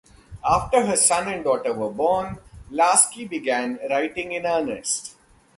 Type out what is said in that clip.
After her son and daughter were born, Laski began writing in earnest.